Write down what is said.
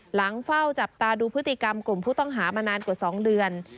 หลังเฝ้าจับตาดูพฤติกรรมกลุ่มผู้ต้องหามานานกว่า๒เดือน